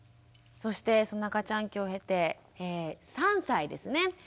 そしてその赤ちゃん期を経て３歳ですね。